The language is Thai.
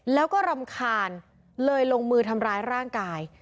แล้วก็รำคาญเลยลงมือทำร้ายร่างกาย